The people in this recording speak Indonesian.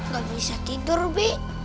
gak bisa tidur bi